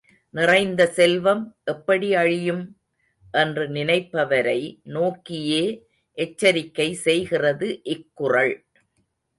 நிறைந்த செல்வம் எப்படி அழியும்? என்று நினைப்பவரை நோக்கியே எச்சரிக்கை செய்கிறது இக்குறள்.